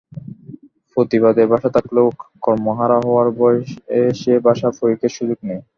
প্রতিবাদের ভাষা থাকলেও কর্মহারা হওয়ার ভয়ে সেই ভাষা প্রয়োগের সুযোগ নেই।